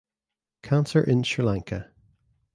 Cancer In Sri Lanka